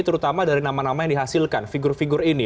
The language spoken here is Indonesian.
terutama dari nama nama yang dihasilkan figur figur ini